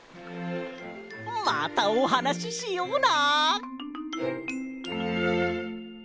またおはなししような！